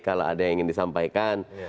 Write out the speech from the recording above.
kalau ada yang ingin disampaikan